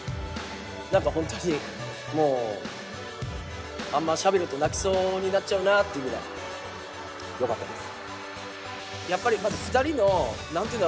なんか本当にもうあんましゃべると泣きそうになっちゃうなっていうぐらいよかったです。